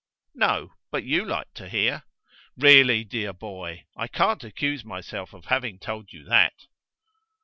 "No, but you like to hear." "Really, dear boy. I can't accuse myself of having told you that."